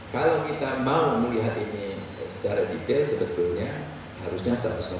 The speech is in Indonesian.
kalau kita mau melihat ini secara detail sebetulnya harusnya satu ratus enam puluh